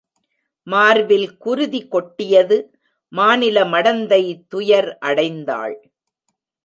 மார்பில் குருதி கொட்டியது மாநில மடந்தை துயர் அடைந்தாள்.